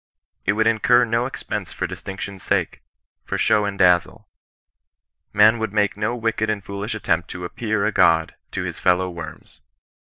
It would incur no expense for distinction's saie — for show and dazzle. Man would make no wicked and foolish attempt to appear a god to his fellow worms.